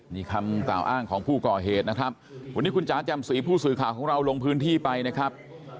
นี่คำกล่าวอ้างของผู้ก่อเหตุนะครับวันนี้คุณจ๋าจำศรีผู้สื่อข่าวของเราลงพื้นที่ไปนะครับ